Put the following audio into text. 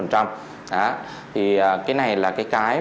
thì cái này là cái cái